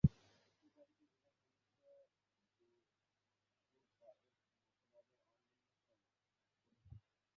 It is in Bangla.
তিনি প্রাকৃতিক বিজ্ঞান-সম্পর্কিত দোকুচায়েভ মতবাদের অন্যতম প্রবক্তা ছিলেন।